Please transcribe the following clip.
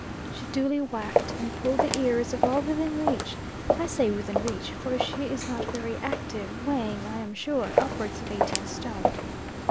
She duly whacked and pulled the ears of all within reach. I say within reach for she is not very active, weighing, I am sure, upwards of eighteen stone.